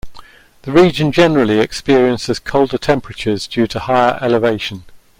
The region generally experiences colder temperatures due to higher elevation.